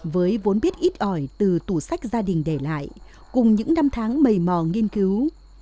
với vốn biết ít ỏi từ tủ sách gia đình để lại cùng những năm tháng mầy mò nghiên cứu